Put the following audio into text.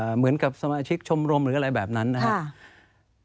เหมือนกับสมาชิกชมรมหรืออะไรแบบนั้นนะครับ